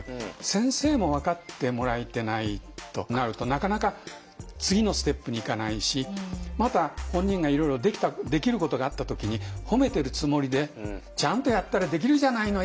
先生も分かってもらえてないとなるとなかなか次のステップに行かないしまた本人がいろいろできることがあった時に褒めてるつもりで「ちゃんとやったらできるじゃないの！